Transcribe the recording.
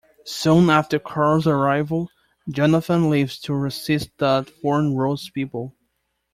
Soon after Karl's arrival, Jonatan leaves to assist the Thorn Rose people.